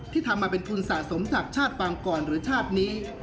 ทำมาเป็นทุนสะสมจากชาติปางกรหรือชาตินี้